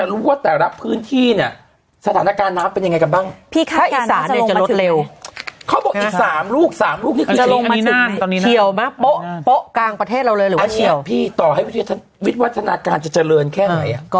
เราต่อให้วิทยาศาสตร์วัฒนาการเจริญแค่ไหน